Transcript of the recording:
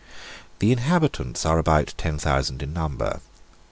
The inhabitants are about ten thousand in number.